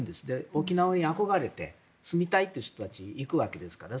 沖縄に憧れて住みたいって人たちが行くわけですから。